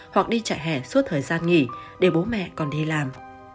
hoặc đi chạy hè suốt thời gian nghỉ để bố mẹ còn đi làm